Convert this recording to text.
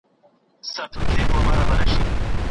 ذهن موږ د خطر څخه خبروي.